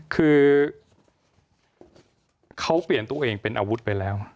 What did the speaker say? คือเขาเปลี่ยนตัวเองเป็นอาวุธไปแล้ว